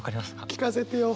聞かせてよ。